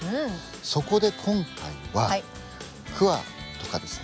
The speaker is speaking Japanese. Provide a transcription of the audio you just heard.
そこで今回はクワとかですね